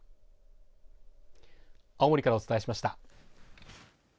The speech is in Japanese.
青森からお伝えしました。